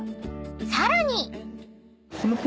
［さらに］